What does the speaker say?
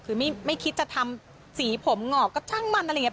คือไม่คิดจะทำสีผมงอกก็ช่างมันอะไรอย่างนี้